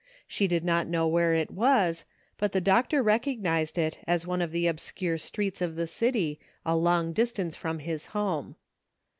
She did not know where it was, but the doctor recognized it as one of the obscure streets of the city, a long distance from his home.